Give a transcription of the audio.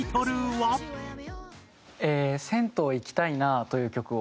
ええー『銭湯いきたいなあ』という曲を。